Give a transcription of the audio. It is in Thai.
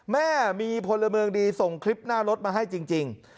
แม่มีพลเมืองดีส่งคลิปหน้ารถมาให้จริง